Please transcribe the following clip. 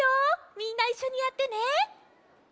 みんないっしょにやってね！